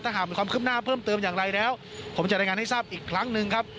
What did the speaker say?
หากมีความคืบหน้าเพิ่มเติมอย่างไรแล้วผมจะรายงานให้ทราบอีกครั้งหนึ่งครับ